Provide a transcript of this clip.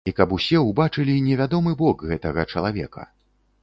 І каб усе ўбачылі невядомы бок гэтага чалавека.